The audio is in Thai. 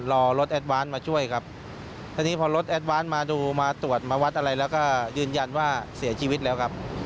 รอรถแอดวานมาช่วยครับทีนี้พอรถแอดวานมาดูมาตรวจมาวัดอะไรแล้วก็ยืนยันว่าเสียชีวิตแล้วครับ